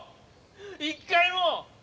一回も！